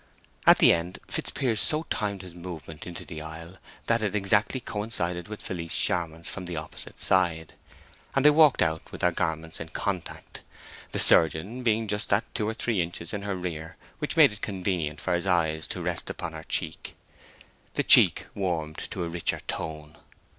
At the end, Fitzpiers so timed his movement into the aisle that it exactly coincided with Felice Charmond's from the opposite side, and they walked out with their garments in contact, the surgeon being just that two or three inches in her rear which made it convenient for his eyes to rest upon her cheek. The cheek warmed up to a richer tone.